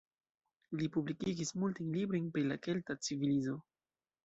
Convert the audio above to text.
Li publikigis multajn librojn pri la kelta civilizo.